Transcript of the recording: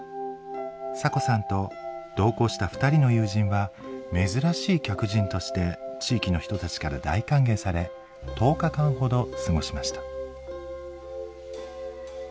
サコさんと同行した２人の友人は珍しい客人として地域の人たちから大歓迎され１０日間ほど過ごしました。